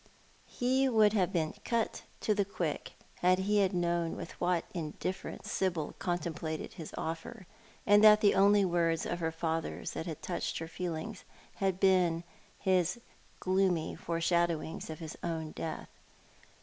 He would have been cut to the quick could he have known with what indifference Sibyl contemplated his offer, and that the only words of her father's that had touched her feelings had been his gloomy foreshadow ing of his own death.